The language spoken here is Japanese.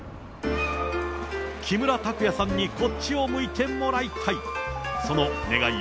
木村拓哉さんにこっちを向いてもらいたい。